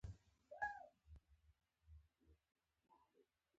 ژبه د ژور درک وسیله ده